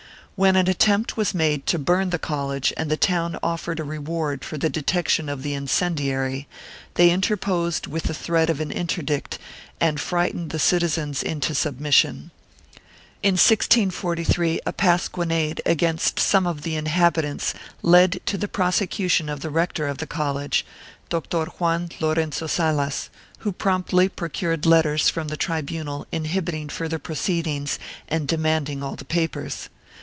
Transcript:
When an attempt was made to burn the col lege and the town offered a reward for the detection of the incen diary, they interposed with the threat of an interdict and fright ened the citizens into submission. In 1643 a pasquinade against some of the inhabitants led to the prosecution of the rector of the college, Dr. Juan Lorenzo Salas, who promptly procured letters from the tribunal inhibiting further proceedings and demanding all the papers.